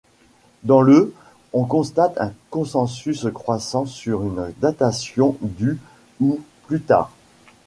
Dans le on constate un consensus croissant sur une datation du ou plus tard.